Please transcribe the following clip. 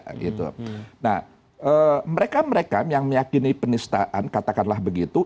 nah mereka mereka yang meyakini penistaan katakanlah begitu mereka mereka yang mencari penistaan katakanlah begitu